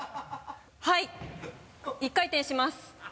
はい１回転します。